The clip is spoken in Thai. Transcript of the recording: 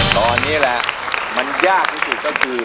ตอนนี้แหละมันยากที่สุดก็คือ